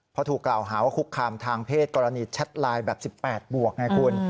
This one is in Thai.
เพราะถูกกล่าวหาว่าคุกคามทางเพศกรณีแชทไลน์แบบ๑๘บวกไงคุณ